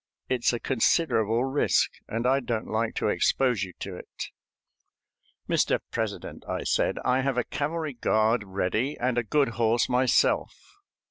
It's a considerable risk, and I don't like to expose you to it." "Mr. President," I said, "I have a cavalry guard ready and a good horse myself.